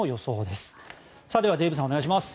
ではデーブさんお願いします。